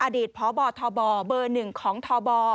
อดีตพบทบเบอร์หนึ่งของทบ